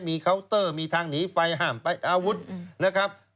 มีเคาน์เตอร์มีทางหนีไฟห้ามไปอาวุธนะครับ